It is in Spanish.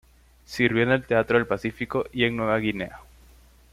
Sirvió en el teatro del Pacífico y en Nueva Guinea.